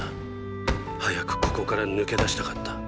早くここから抜け出したかった。